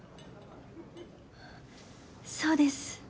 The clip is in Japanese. そうです。